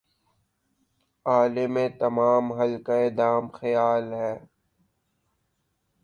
عالم تمام حلقہ دام خیال ھے